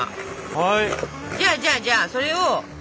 はい。